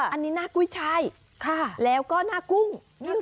อันนี้หน้ากุ้ยชัยแล้วก็หน้ากุ้ง